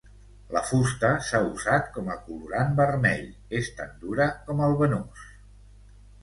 La fusta s'ha usat com a colorant vermell, és tan dura com el banús.